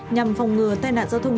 nhằm phòng ngừa tai nạn giao thông